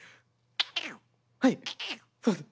はいそうです。